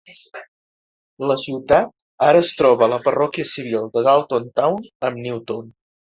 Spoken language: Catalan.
La ciutat ara es troba a la parròquia civil de Dalton Town amb Newton.